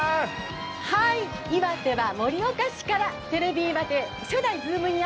岩手は盛岡市から、テレビ岩手、初代ズームイン！！